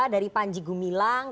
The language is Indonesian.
dari panji gumilang